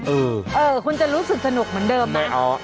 เออคุณจะรู้สึกสนุกเหมือนเดิมไหม